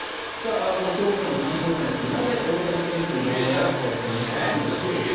この教科書の担当者の方なぜ大谷選手の談話を載せたんでしょうか。